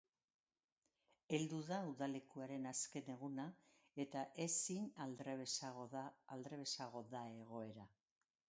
Heldu da udalekuaren azken eguna eta ezin aldrebesago da egoera.